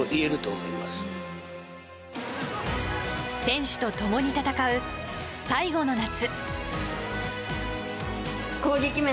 選手と共に戦う最後の夏。